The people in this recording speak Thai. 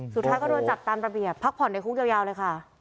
สุดท้ายก็โดนจับตามระเบียบพักผ่อนในคุกยาวเลยค่ะ